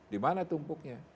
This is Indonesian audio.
di mana tumpuknya